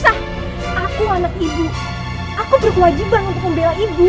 aku anak ibu aku berwajiban untuk membela ibu